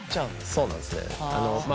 そうなんですね。